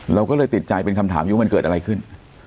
เราก็เลยติดใจเป็นคำถามอยู่ว่ามันเกิดอะไรขึ้น